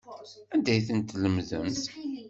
Anda ay ten-tlemdemt?